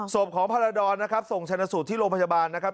ศพของพรดรนะครับส่งชนะสูตรที่โรงพยาบาลนะครับ